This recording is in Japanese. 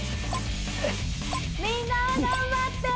みんな頑張って！